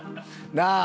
なあ！